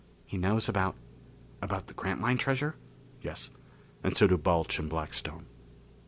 "He knows about about the Grantline treasure?" "Yes. And so do Balch and Blackstone."